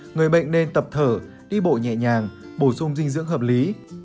người bệnh nên tập thở đi bộ nhẹ nhàng bổ sung dinh dưỡng hợp lý